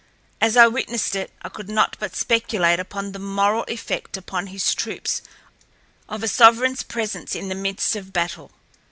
As I witnessed it, I could not but speculate upon the moral effect upon his troops of a sovereignl's presence in the midst of battle.